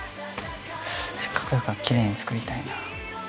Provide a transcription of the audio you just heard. せっかくだから奇麗に作りたいな。